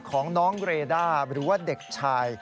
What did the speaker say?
ของน้องเรด้าหรือว่าเด็กชาย